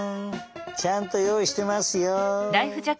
ちゃんとよういしてますよ！